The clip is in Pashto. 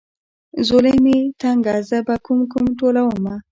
ځولۍ مې تنګه زه به کوم کوم ټولومه.